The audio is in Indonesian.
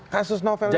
kasus novelnya gak